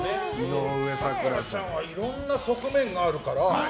咲楽ちゃんはいろんな側面があるから。